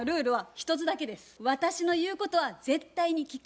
私の言うことは絶対に聞く。